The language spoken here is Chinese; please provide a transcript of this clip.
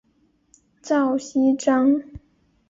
赵锡章。